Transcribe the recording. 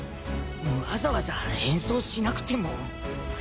わざわざ変装しなくても。